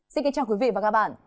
xin kính chào quý vị và các bạn